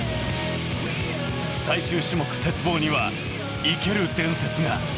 最終種目・鉄棒には、生ける伝説が。